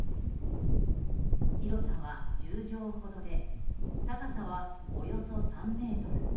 広さは１０畳ほどで高さは、およそ３ｍ。